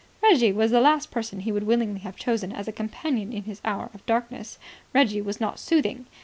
Reggie was the last person he would willingly have chosen as a companion in his hour of darkness. Reggie was not soothing.